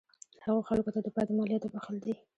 هغه خلکو ته د پاتې مالیاتو بخښل دي.